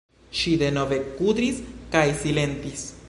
Ŝi denove kudris kaj silentis.